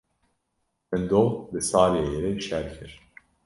Min doh bi Saryayê re şer kir.